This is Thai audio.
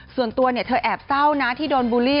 ส่วนตัวเธอแอบเศร้านะที่โดนบูลลี่